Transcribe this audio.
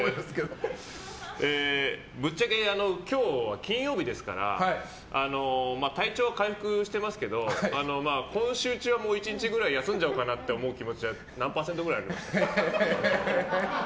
ぶっちゃけ今日、金曜日ですから体調回復してますけど今週はもう１日ぐらい休んじゃおうかなみたいな気持ちは何パーセントくらいありますか？